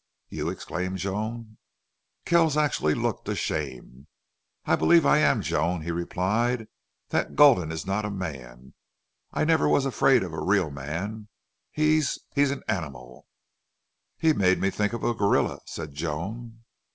"You!" exclaimed Joan. Kells actually looked ashamed. "I believe I am, Joan," he replied. "That Gulden is not a man. I never was afraid of a real man. He's he's an animal." "He made me think of a gorrilla," said Joan.